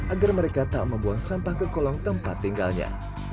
agar mereka tak membuang sampah ke kolong tempat tinggalnya